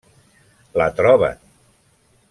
La troben.